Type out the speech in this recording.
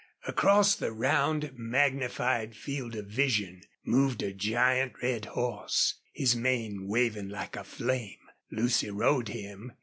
Across the round, magnified field of vision moved a giant red horse, his mane waving like a flame. Lucy rode him.